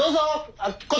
あこっち